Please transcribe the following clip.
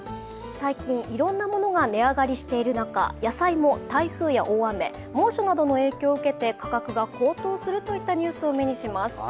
最近、いろんなものが値上がりしている中、野菜も台風や大雨、猛暑などの影響を受けて、価格が高騰するといったニュースを目にします。